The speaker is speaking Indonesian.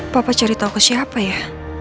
papa cari tahu ke siapa ya